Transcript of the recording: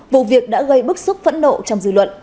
vụ việc đã gây bức xúc phẫn nộ trong dư luận